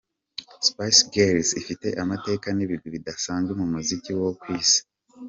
Spice Girls ifite amateka n’ibigwi bidasanzwe mu muziki wo ku Isi.